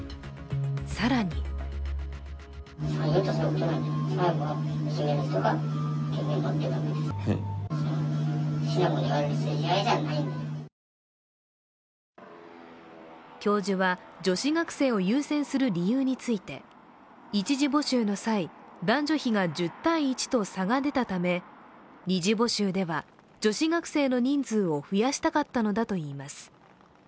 更に教授は女子学生を優先する理由について１次募集の際、男女比が１０対１と差が出たため２次募集では女子学生の人数を増やしたかったのだといいます。